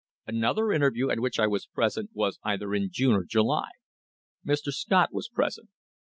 " Another interview at which I was present was either in June or July. Mr. Scott was present.